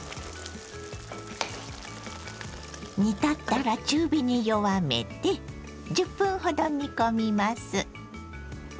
煮立ったら中火に弱めて１０分ほど煮込みます。